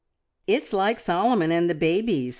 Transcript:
"It's like Solomon and the babies!"